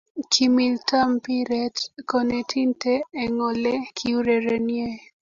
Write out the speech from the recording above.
Kimilta mpiret konetinte eng ole kiurerenei